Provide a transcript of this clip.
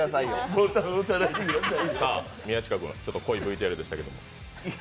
宮近君、濃いＶＴＲでしたけど。